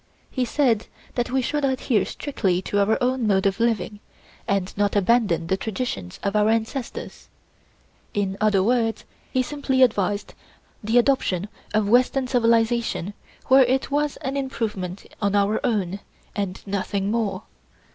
He said that we should adhere strictly to our own mode of living and not abandon the traditions of our ancestors. In other words, he simply advised the adoption of western civilization where it was an improvement on our own, and nothing more.